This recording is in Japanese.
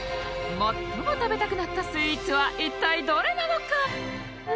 最も食べたくなったスイーツはいったいどれなのか？